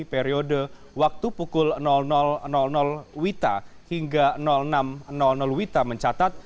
periode waktu pukul wita hingga enam wita mencatat